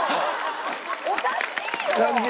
おかしいよ！